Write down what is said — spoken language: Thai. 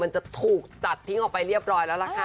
จะถูกตัดทิ้งออกไปเรียบร้อยแล้วล่ะค่ะ